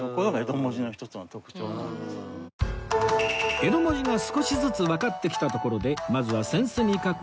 江戸文字が少しずつわかってきたところでまずは扇子に書く